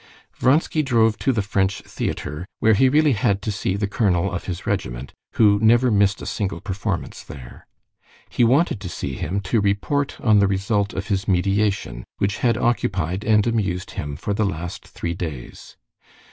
Vronsky drove to the French theater, where he really had to see the colonel of his regiment, who never missed a single performance there. He wanted to see him, to report on the result of his mediation, which had occupied and amused him for the last three days.